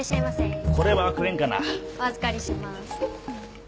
お預かりします。